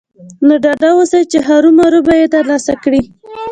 نو ډاډه اوسئ چې هرو مرو به يې ترلاسه کړئ.